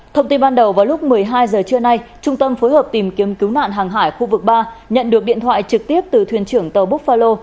thông tin ban đầu vào lúc một mươi hai giờ trưa nay trung tâm phối hợp tìm kiếm cứu nạn hàng hải khu vực ba nhận được điện thoại trực tiếp từ thuyền trưởng tàu bookhalo